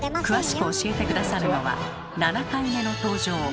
詳しく教えて下さるのは７回目の登場